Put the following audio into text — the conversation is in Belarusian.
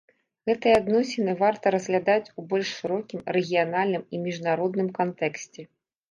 Гэтыя адносіны варта разглядаць у больш шырокім, рэгіянальным і міжнародным кантэксце.